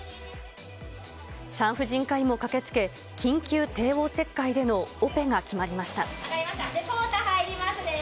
産婦人科医も駆けつけ、緊急帝王切開でのオペが決まりました。